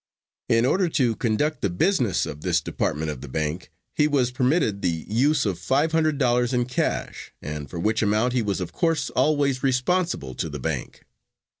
In order to conduct the business of this department of the bank, he was permitted the use of five hundred dollars in cash, and for which amount he was of course always responsible to the bank.